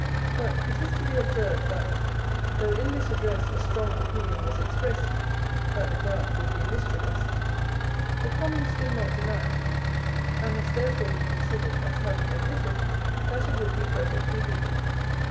But it is to be observed that, though in this address a strong opinion was expressed that the grant would be mischievous, the Commons did not deny, and must therefore be considered as having admitted, that it would be perfectly legal.